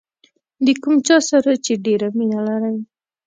د کوم چا سره چې ډېره مینه لرئ.